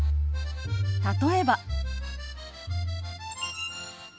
例えば。